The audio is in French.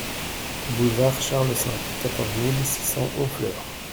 Boulevard Charles cinq, quatorze mille six cents Honfleur